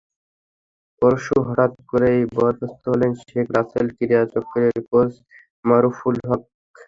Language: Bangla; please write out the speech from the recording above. পরশু হঠাৎ করেই বরখাস্ত হলেন শেখ রাসেল ক্রীড়া চক্রের কোচ মারুফুল হক।